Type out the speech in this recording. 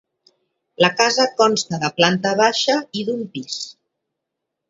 La casa consta de planta baixa i d'un pis.